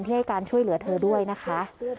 ให้การช่วยเหลือเธอด้วยนะคะ